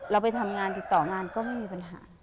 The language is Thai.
เราไปทำงานติดต่องานก็ไม่มีปัญหา